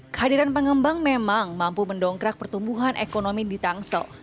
kehadiran pengembang memang mampu mendongkrak pertumbuhan ekonomi di tangsel